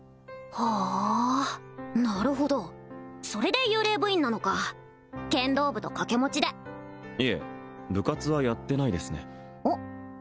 ほうなるほどそれで幽霊部員なのか剣道部と掛け持ちでいえ部活はやってないですねうん？